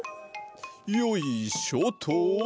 よいしょと！